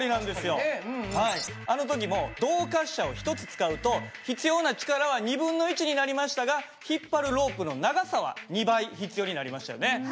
確かにねうんうん。あの時も動滑車を１つ使うと必要な力は1/2になりましたが引っ張るロープの長さは２倍必要になりましたよね。